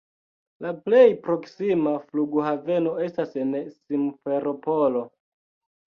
La plej proksima flughaveno estas en Simferopolo.